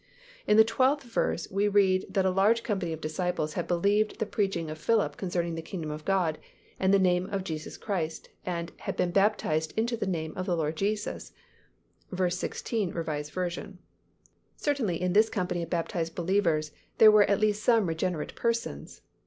In the twelfth verse we read that a large company of disciples had believed the preaching of Philip concerning the kingdom of God and the name of Jesus Christ, and "had been baptized into the name of the Lord Jesus" (v. 16, R. V.). Certainly in this company of baptized believers there were at least some regenerate persons.